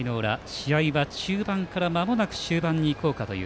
試合は中盤からまもなく終盤に行こうかという。